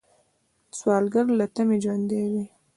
سوالګر له تمې ژوندی دی